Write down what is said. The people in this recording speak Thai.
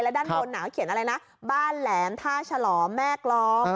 แล้วด้านบนเขียนอะไรนะบ้านแหลมท่าฉลอมแม่กลอง